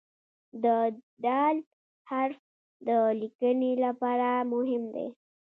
د "د" حرف د لیکنې لپاره مهم دی.